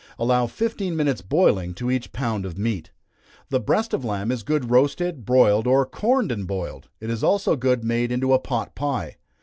Allow fifteen minutes boiling to each pound of meat. The breast of lamb is good roasted, broiled, or corned and boiled; it is also good made into a pot pie.